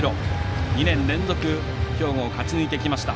２年連続兵庫を勝ち抜いてきました。